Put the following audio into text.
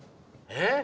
えっ？